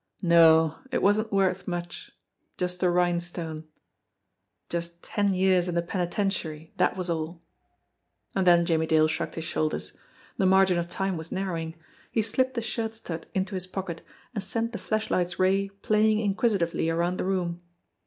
No, it wasn't worth much, just a rhinestone just ten years in the penitentiary, that was all ! And then Jimmie Dale shrugged his shoulders. The mar gin of time was narrowing. He slipped the shirt stud into his pocket, and sent the flashlight's ray playing inquisitively around the room.